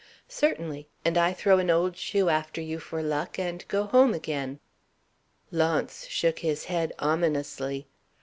"Certainly. And I throw an old shoe after you for luck, and go home again." Launce shook his head ominously.